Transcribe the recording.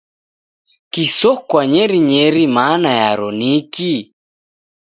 Kisokwa nyerinyeiri mana yaro ni kii?